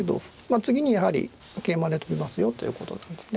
次にやはり桂馬で取りますよということなんですね。